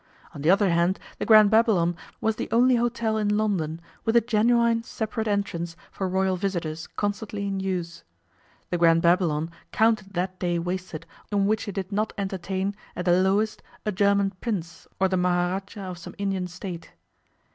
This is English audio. On the other hand, the Grand Babylon was the only hotel in London with a genuine separate entrance for Royal visitors constantly in use. The Grand Babylon counted that day wasted on which it did not entertain, at the lowest, a German prince or the Maharajah of some Indian State.